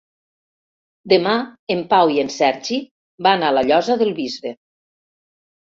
Demà en Pau i en Sergi van a la Llosa del Bisbe.